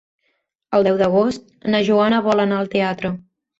El deu d'agost na Joana vol anar al teatre.